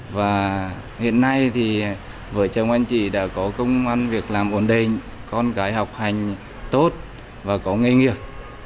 và hiện nay thì vợ chồng anh chị đã có công an việc làm ổn định con cái học hành tốt và có nghề nghiệp